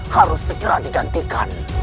harus segera digantikan